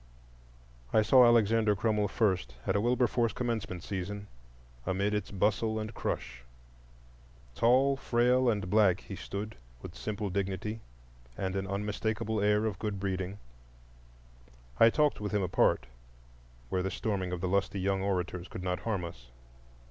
I saw Alexander Crummell first at a Wilberforce commencement season, amid its bustle and crush. Tall, frail, and black he stood, with simple dignity and an unmistakable air of good breeding. I talked with him apart, where the storming of the lusty young orators could not harm us.